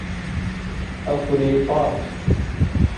افریقہ